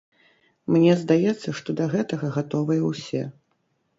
Мне здаецца, што да гэтага гатовыя ўсе.